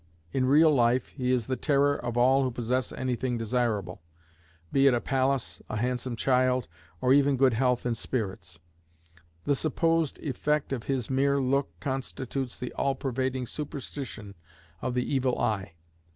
In real life, he is the terror of all who possess any thing desirable, be it a palace, a handsome child, or even good health and spirits: the supposed effect of his mere look constitutes the all pervading superstition of the evil eye.